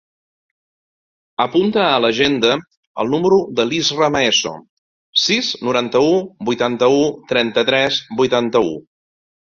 Apunta a l'agenda el número de l'Israa Maeso: sis, noranta-u, vuitanta-u, trenta-tres, vuitanta-u.